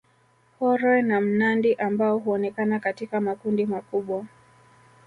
Horoe na mnandi ambao huonekana katika makundi makubwa